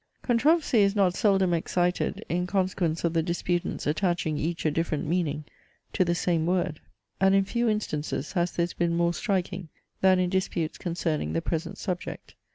Controversy is not seldom excited in consequence of the disputants attaching each a different meaning to the same word; and in few instances has this been more striking, than in disputes concerning the present subject.